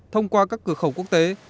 thông qua các cửa khẩu quốc tế